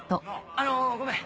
・あのごめん